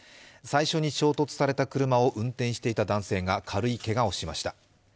最初に衝突された車を運転していた男性が軽いけがをしました。